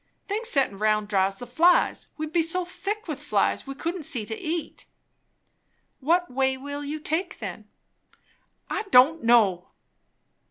"Things settin' round draws the flies. We'd be so thick with flies, we couldn't see to eat." "What way will you take, then?" "I don' know!"